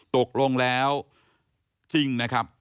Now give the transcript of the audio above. ตกลงแล้วจริงนะครับ